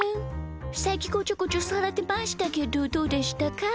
さっきこちょこちょされてましたけどどうでしたか？